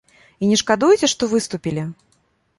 І не шкадуеце, што выступілі?